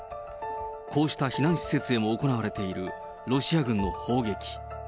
こうした避難施設へも行われているロシア軍の砲撃。